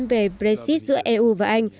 về brexit giữa eu và anh